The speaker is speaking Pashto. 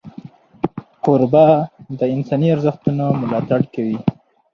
کوربه د انساني ارزښتونو ملاتړ کوي.